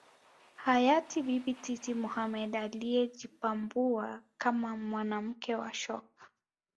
Hayati Bibi Titi Mohamed aliyejipambua kama mwanamke wa shoka